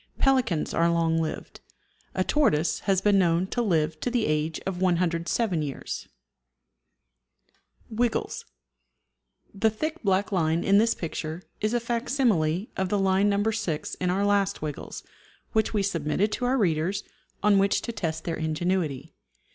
Pelicans are long lived. A tortoise has been known to live to the age of 107 years. WIGGLES. The thick black line in this picture is a facsimile of the line No. 6 in our last Wiggles, which we submitted to our readers, on which to test their ingenuity.